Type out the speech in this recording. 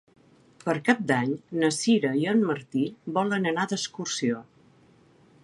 Per Cap d'Any na Sira i en Martí volen anar d'excursió.